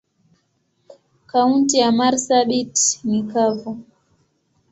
Kaunti ya marsabit ni kavu.